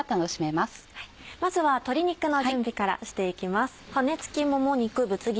まずは鶏肉の準備からしていきます。